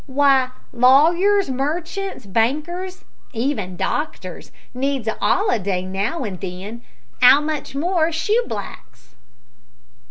W'y, lawyers, merchants, bankers even doctors needs a 'oliday now an' then; 'ow much more shoeblacks!"